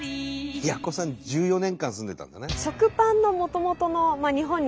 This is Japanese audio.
やっこさん１４年間住んでたんだね。